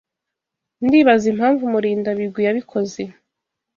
Ndibaza impamvu Murindabigwi yabikoze.